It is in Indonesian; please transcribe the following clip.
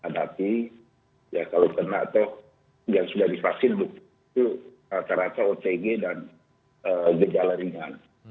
tapi ya kalau kena atau yang sudah divaksin itu rata rata otg dan gejala ringan